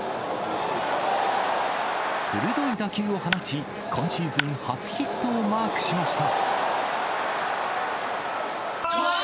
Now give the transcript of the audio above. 鋭い打球を放ち、今シーズン初ヒットをマークしました。